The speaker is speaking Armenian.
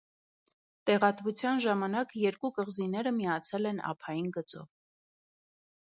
Տեղատվության ժամանակ երկու կղզիները միացել են ափային գծով։